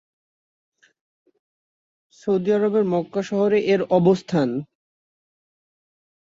Saudi আরবের Mecca শহরে এর অবস্থান।